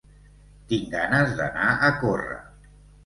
Tinc ganes d'anar a córrer.